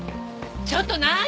ちょっと何？